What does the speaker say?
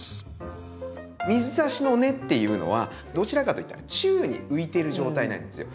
水挿しの根っていうのはどちらかといったら宙に浮いてる状態なんですよ。